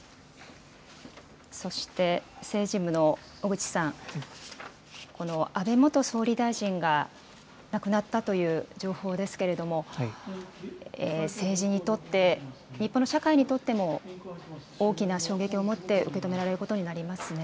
そして、政治部の小口さん、安倍元総理大臣が亡くなったという情報ですけれども、政治にとって、日本の社会にとっても、大きな衝撃を持って受け止められることになりますね。